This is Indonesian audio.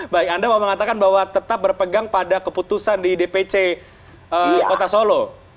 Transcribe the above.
baik anda mau mengatakan bahwa tetap berpegang pada keputusan di dpc kota solo